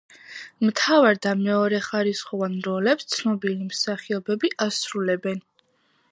მთავარ და მეორეხარისხოვან როლებს ცნობილი მსახიობები ასრულებენ.